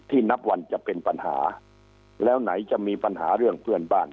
นับวันจะเป็นปัญหาแล้วไหนจะมีปัญหาเรื่องเพื่อนบ้าน